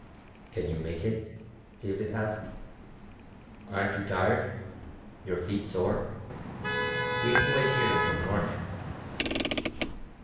"Can you make it?" David asked. "Aren't you tired? Your feet sore? We can wait here until morning...."